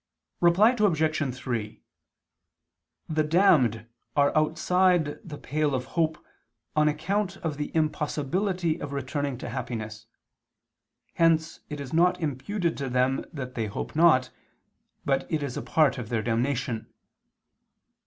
Reply Obj. 3: The damned are outside the pale of hope on account of the impossibility of returning to happiness: hence it is not imputed to them that they hope not, but it is a part of their damnation.